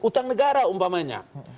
utang negara umpamanya